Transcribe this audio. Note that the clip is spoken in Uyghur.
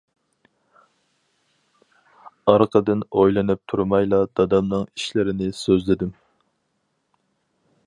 ئارقىدىن ئويلىنىپ تۇرمايلا دادامنىڭ ئىشلىرىنى سۆزلىدىم.